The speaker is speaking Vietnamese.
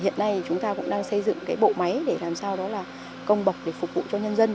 hiện nay chúng ta cũng đang xây dựng cái bộ máy để làm sao đó là công bậc để phục vụ cho nhân dân